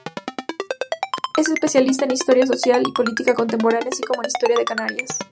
Es especialista en "Historia Social y Política Contemporánea", así como en "Historia de Canarias".